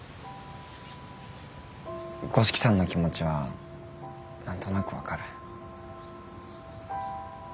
五色さんの気持ちは何となく分かる。